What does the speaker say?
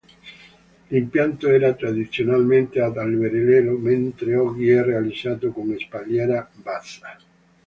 L'impianto era tradizionalmente ad alberello, mentre oggi è realizzato con spalliera bassa.